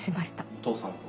お父さんと？